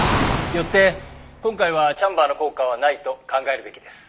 よって今回はチャンバーの効果はないと考えるべきです。